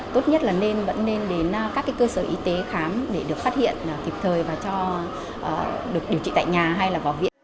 tốt nhất là nên đến các cơ sở y tế khám để được phát hiện kịp thời và được điều trị tại nhà hay vào viện